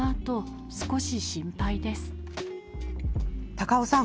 高尾さん